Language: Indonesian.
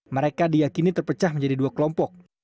mereka diyakini terpecah menjadi dua kelompok